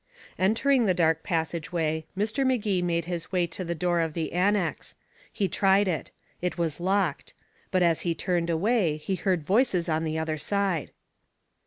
Entering the dark passageway, Mr. Magee made his way to the door of the annex. He tried it. It was locked. But as he turned away, he heard voices on the other side.